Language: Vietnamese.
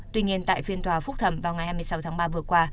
tuy nhiên tại phiên tòa phúc thẩm vào ngày hai mươi sáu tháng ba vừa qua